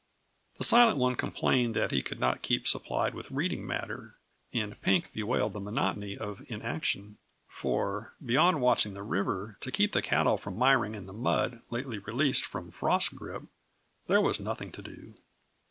The Silent One complained that he could not keep supplied with reading matter, and Pink bewailed the monotony of inaction. For, beyond watching the river to keep the cattle from miring in the mud lately released from frost grip, there was nothing to do.